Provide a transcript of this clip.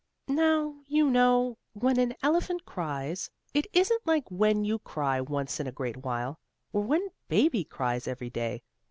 Now, you know, when an elephant cries it isn't like when you cry once in a great while, or when baby cries every day.